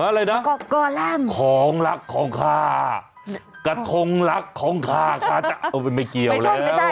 อะไรนะของลักของข้ากะทงลักของข้าเอาไปไม่เกี่ยวแล้ว